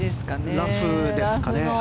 ラフですかね。